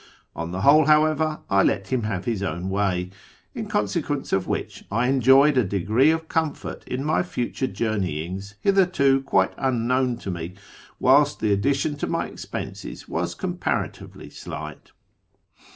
On the whole, however, I let him liave his own way, ill consequence of which T enjoyed a degree of comfort in my future journeyiugs hitherto quite unknown to me, whilst tlie addition to my expenses was comparatively slight.